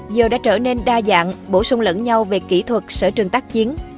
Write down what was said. giờ đã trở nên đa dạng bổ sung lẫn nhau về kỹ thuật sở trường tác chiến